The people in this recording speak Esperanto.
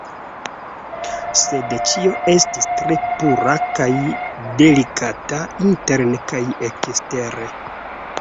Sed ĉio estis tre pura kaj delikata interne kaj ekstere.